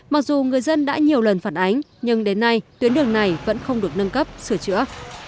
mặc dù người dân đã nhiều lần phản ánh nhưng đến nay tuyến đường này vẫn không được nâng cấp sửa chữa